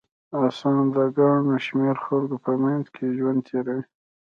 انسان د ګڼ شمېر خلکو په منځ کې ژوند تېروي.